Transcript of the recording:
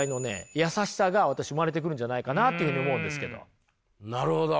優しさが私生まれてくるんじゃないかなというふうに思うんですけど。